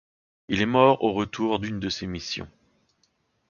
Il est mort au retour d'une de ces missions.